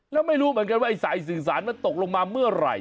แล้วไม่รู้เหมือนกันว่าไอ้สายสื่อสารมันตกลงมาเมื่อไหร่